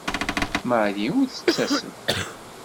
Marie ur tettasem.